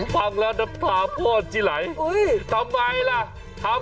ฟังแล้วนะพ่อจิหลัยทำไมล่ะทำไม